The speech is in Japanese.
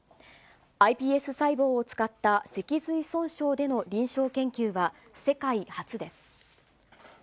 ｉＰＳ細胞を使った脊髄損傷での臨床研究は世界初です。